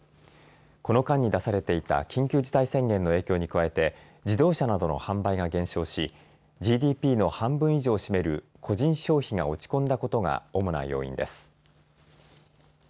この間に出されていた緊急事態宣言の影響に加えて自動車などの販売が減少しＧＤＰの半分以上を占める個人消費が落ち込んだことが主な要因です。